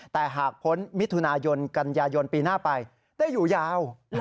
แต่หากพ้นมิถุนายนกันยายนปีหน้าไปได้อยู่ยาว